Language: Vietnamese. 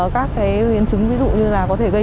các biến chứng ví dụ như là có thể gây